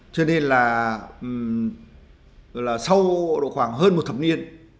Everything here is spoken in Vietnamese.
cho nên là sau khoảng hơn một thập niên